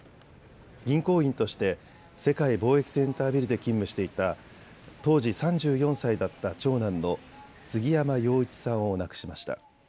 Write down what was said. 銀行員として世界貿易センタービルで勤務していた当時３４歳だった長男の杉山陽一さんを亡くしました。